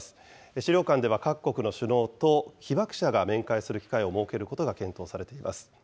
資料館では各国の首脳と被爆者が面会する機会を設けることが検討されています。